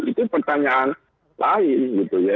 itu pertanyaan lain gitu ya